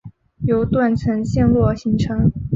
由断层陷落形成。